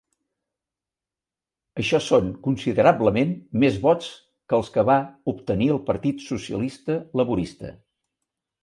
Això són considerablement més vots que els que va obtenir el Partit Socialista Laborista.